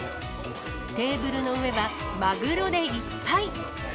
テーブルの上はマグロでいっぱい。